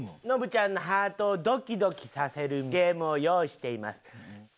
ノブちゃんのハートをドキドキさせるゲームを用意しています。